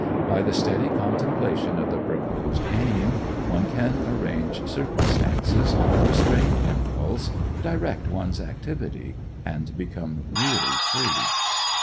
By the steady contemplation of the proposed aim, one can arrange circumstances, restrain impulse, direct one's activity, and become really free.